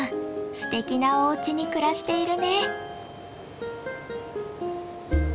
すてきなおうちに暮らしているね。